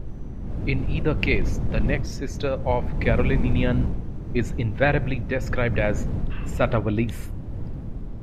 In either case, the next sister of Carolinian is invariably described as Satawalese.